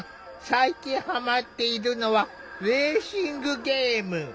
最近ハマっているのはレーシングゲーム。